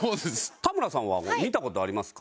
田村さんは見た事ありますか？